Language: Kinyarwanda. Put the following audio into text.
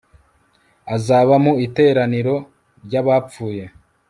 azaba mu iteraniro ry abapfuye